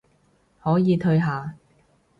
可以退下